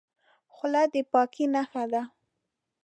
خولۍ د پاکۍ نښه ده.